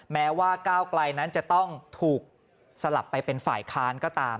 แม้ว่าก้าวไกลนั้นจะต้องถูกสลับไปเป็นฝ่ายค้านก็ตาม